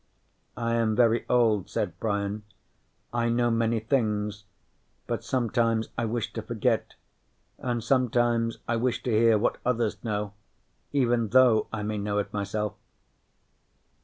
"I am very old," said Brian. "I know many things. But sometimes I wish to forget, and sometimes I wish to hear what others know, even though I may know it myself."